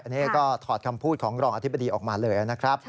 นี่ก็ถอดคำพูดของรองอธิบดีออกมาเลยนะครับ